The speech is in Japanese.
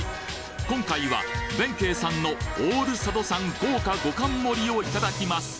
今回は弁慶さんのオール佐渡産豪華５貫盛りをいただきます！